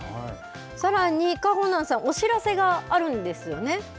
さらに、かほなんさん、お知らせがあるんですよね。